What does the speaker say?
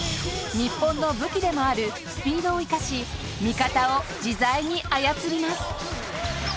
日本の武器でもあるスピードを生かし味方を自在に操ります。